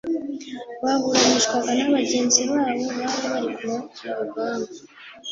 baburanishwaga na bagenzi babo bari kumwe ku rugamba